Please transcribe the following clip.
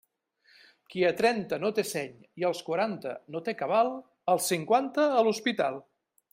Qui a trenta no té seny i als quaranta no té cabal, als cinquanta a l'hospital.